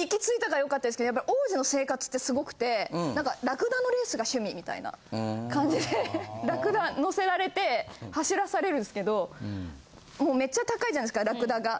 行きついたから良かったですけど王子の生活ってすごくてなんかラクダのレースが趣味みたいな感じでラクダ乗せられて走らされるんですけどもうめっちゃ高いじゃないですかラクダが。